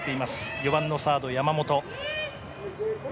４番のサード、山本。